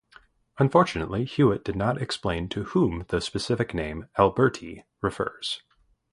Unfortunately, Hewitt did not explain to whom the specific name, "alberti", refers.